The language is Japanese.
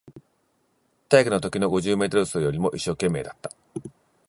体育のときの五十メートル走よりも一生懸命だった